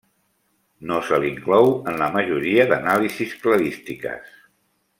No se l'inclou en la majoria d'anàlisis cladístiques.